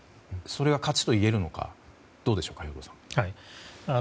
それは勝ちといえるのかどうでしょうか、兵頭さん。